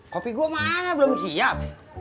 kopi gue mana belum siap